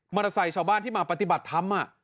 เตอร์ไซค์ชาวบ้านที่มาปฏิบัติธรรม